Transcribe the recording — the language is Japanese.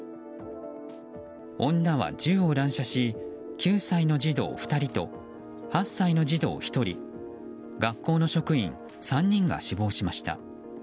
女は銃を乱射し９歳の児童２人と８歳の児童１人学校の職員３人が死亡しました。